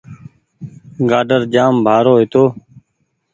گآڊر جآم بآرو هيتو